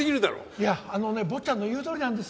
いやあのね坊ちゃんの言うとおりなんです。